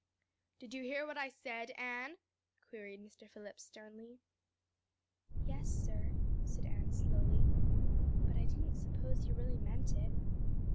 "Did you hear what I said, Anne?" queried Mr. Phillips sternly. "Yes, sir," said Anne slowly "but I didn't suppose you really meant it."